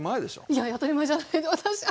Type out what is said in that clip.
いやいや当たり前じゃない私の。